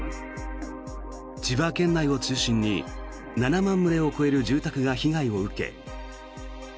千葉県内を中心に７万棟を超える住宅が被害を受け